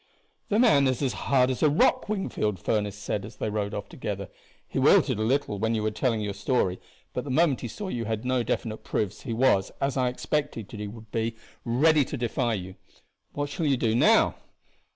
"The man is as hard as a rock, Wingfield," Furniss said, as they rode off together. "He wilted a little when you were telling your story, but the moment he saw you had no definite proofs he was, as I expected he would be, ready to defy you. What shall you do now?"